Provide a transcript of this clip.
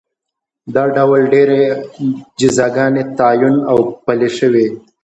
دا ډول ډېرې جزاګانې تعین او پلې شوې.